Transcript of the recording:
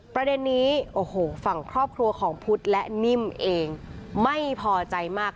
ประเด็นนี้โอ้โหฝั่งครอบครัวของพุทธและนิ่มเองไม่พอใจมาก